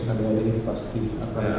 tadi ada yang pasti akan